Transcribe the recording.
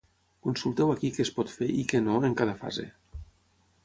Consulteu ací què es pot fer i què no en cada fase.